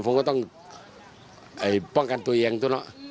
ผมก็ต้องป้องกันตัวเองตัวเนอะ